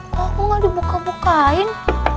kok gak dibuka bukain